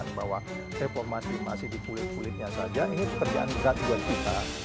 kalau kita katakan bahwa reformasi masih dikulit kulitnya saja ini pekerjaan berat buat kita